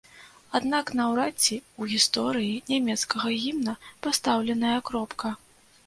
Аднак наўрад ці ў гісторыі нямецкага гімна пастаўленая кропка.